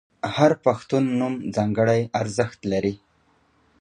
• هر پښتو نوم ځانګړی ارزښت لري.